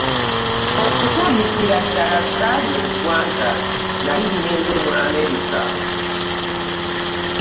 Okutandikira ddala, ssaali mu ggwanga nnali ng'enze mu Amerika.